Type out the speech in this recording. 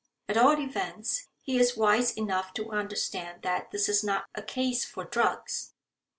At all events, he is wise enough to understand that this is not a case for drugs.